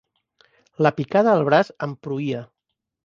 La picada al braç em pruïa.